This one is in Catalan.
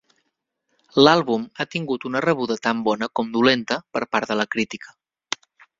L'àlbum ha tingut una rebuda tan bona com dolenta per part de la crítica.